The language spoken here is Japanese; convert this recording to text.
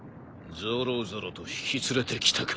ぞろぞろと引き連れてきたか。